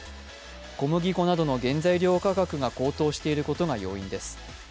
小麦粉などの原材料価格が高騰していることが要因です。